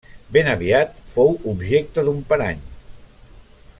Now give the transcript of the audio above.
Ben aviat fou objecte d'un parany.